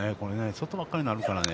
外ばっかりになるからね。